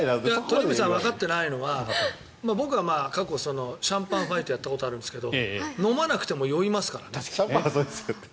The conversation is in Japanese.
鳥海さんわかってないのは僕は過去、シャンパンファイトやったことあるんですが飲まなくても酔いますから。